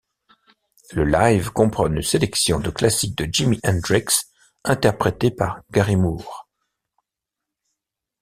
Le live comprend une sélection de classiques de Jimi Hendrix interprétés par Gary Moore.